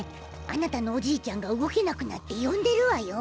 あなたのおじいちゃんがうごけなくなってよんでるわよ。